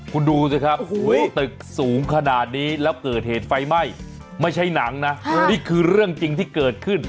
คุณดูสิครับตึกสูงขนาดนี้แล้วเกิดเหตุไฟไหม้ไม่ใช่หนังนะนี่คือเรื่องจริงที่เกิดขึ้น